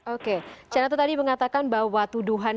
oke canata tadi mengatakan bahwa tuduhan